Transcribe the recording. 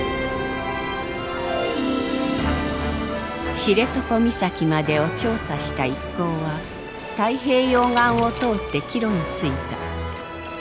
知床岬までを調査した一行は太平洋側を通って帰路についた。